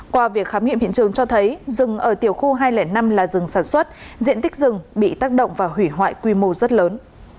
qua việc khám nghiệm hiện trường cho thấy rừng ở tiểu khu hai trăm linh năm là rừng sản xuất diện tích rừng bị tác động và hủy hoại quy mô rất lớn